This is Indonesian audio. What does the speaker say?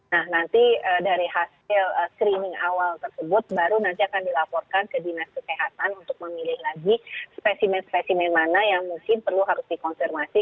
nah nanti dari hasil screening awal tersebut baru nanti akan dilaporkan ke dinas kesehatan untuk memilih lagi spesimen spesimen mana yang mungkin perlu harus dikonfirmasi